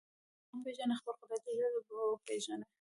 که ځان وپېژنې خپل خدای جل جلاله به وپېژنې.